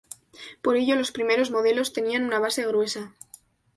Por ello los primeros modelos tenían una base gruesa.